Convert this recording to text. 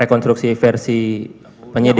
rekonstruksi versi penyidik